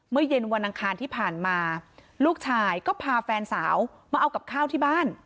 เย็นวันอังคารที่ผ่านมาลูกชายก็พาแฟนสาวมาเอากับข้าวที่บ้าน